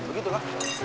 wah begitu lah